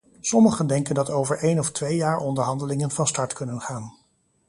Sommigen denken dat over een of twee jaar onderhandelingen van start kunnen gaan.